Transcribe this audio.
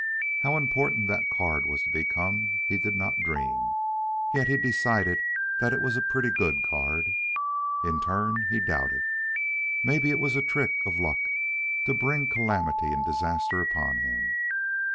How important that card was to become he did not dream, yet he decided that it was a pretty good card. In turn, he doubted. Maybe it was a trick of Luck to bring calamity and disaster upon him.